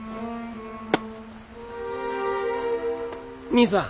兄さん。